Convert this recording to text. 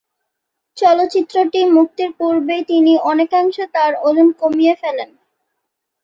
চলচ্চিত্রটি মুক্তির পূর্বেই তিনি অনেকাংশে তার ওজন কমিয়ে ফেলেন।